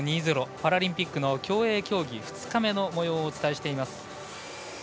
パラリンピックの競泳競技２日目のもようをお伝えしています。